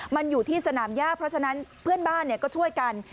มันอยู่ที่สนามย่าเพราะฉะนั้นเพื่อนบ้านก็ช่วยกัน